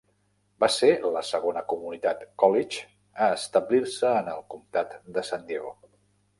Va ser la segona comunitat college a establir-se en el comtat de San Diego.